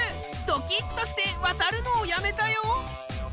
ドキッとして渡るのをやめたよ。